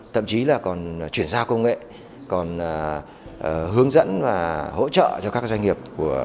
thậm chí là còn chuyển giao công nghệ còn hướng dẫn và hỗ trợ cho các doanh nghiệp